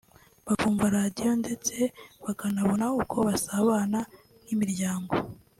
bakumva radiyo ndetse bakanabona uko basabana nk’imiryango